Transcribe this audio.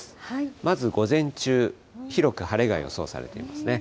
まず午前中、広く晴れが予想されていますね。